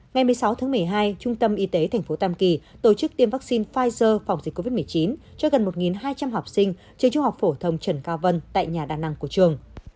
ngày một mươi sáu tháng một mươi hai trung tâm y tế tp tam kỳ tổ chức tiêm vaccine pfizer phòng dịch covid một mươi chín cho gần một hai trăm linh học sinh trường trung học phổ thông trần cao vân tại nhà đà năng của trường